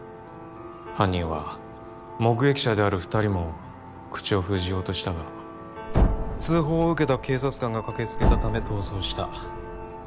犯人は目撃者である２人も囗を封じようとしたが通報を受けた警察官が駆け付けたため逃走した。